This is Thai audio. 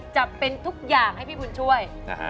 จะเป็นทุกอย่างให้พี่บุญช่วย